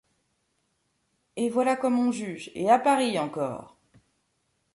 Et voilà comme on juge, et à Paris encore!...